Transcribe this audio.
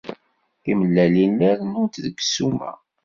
Timellalin la rennunt deg ssuma.